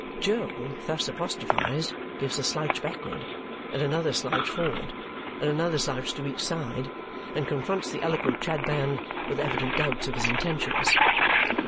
Jo, thus apostrophized, gives a slouch backward, and another slouch forward, and another slouch to each side, and confronts the eloquent Chadband with evident doubts of his intentions.